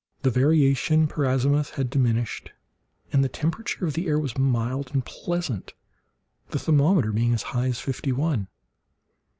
The variation per azimuth had diminished, and the temperature of the air was mild and pleasant, the thermometer being as high as fifty one.